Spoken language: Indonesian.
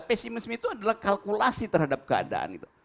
pesimisme itu adalah kalkulasi terhadap keadaan